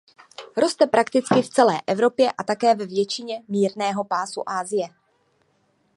Roste prakticky v celé Evropě a také ve většině mírného pásu Asie.